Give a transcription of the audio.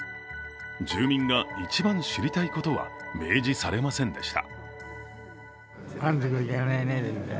住民が一番知りたいことは明示されませんでした。